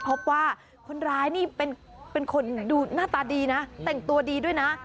พบว่าคนร้ายนี่เป็นคนดูหน้าตาดีนะแต่งตัวดีด้วยนะ